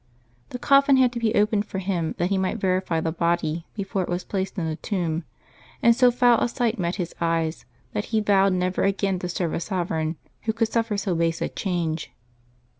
The coffin had to be opened for him that he anight verify the body before it was placed in the tomb, and so foul a sight met his eyes that he vowed never again to serve a sovereign who could suffer so base a change.